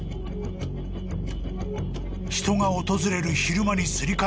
［人が訪れる］